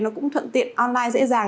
nó cũng thuận tiện online dễ dàng